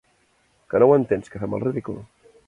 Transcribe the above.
Que no ho entens, que fem el ridícul?